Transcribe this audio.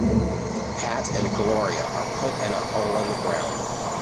Pat and Gloria are put in a hole in the ground.